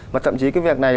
và thậm chí cái việc này